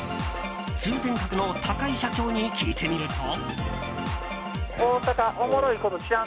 通天閣の高井社長に聞いてみると。